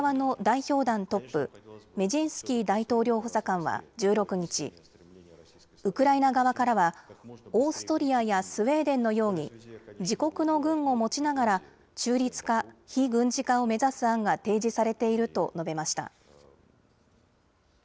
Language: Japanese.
これについてロシア側の代表団トップメジンスキー大統領補佐官は１６日ウクライナ側からはオーストリアやスウェーデンのように自国の軍を持ちながら中立化、非軍事化を目指す案が提示されていると述べました。